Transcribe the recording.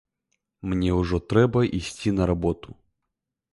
Мне ўжо трэба ісці на работу.